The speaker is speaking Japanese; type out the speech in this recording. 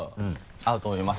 合うと思います。